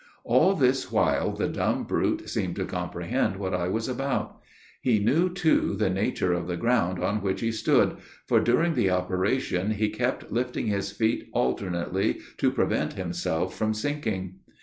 All this while the dumb brute seemed to comprehend what I was about. He knew, too, the nature of the ground on which he stood, for, during the operation, he kept lifting his feet alternately to prevent himself from sinking.